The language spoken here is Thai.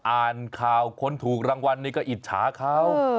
อ่านข่าวคนถูกรางวัลนี้ก็อิจฉาเขา